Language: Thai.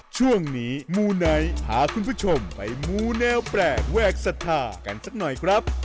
ช่วงนี้มูไนท์พาคุณผู้ชมไปมูแนวแปลกแวกศรัทธากันสักหน่อยครับ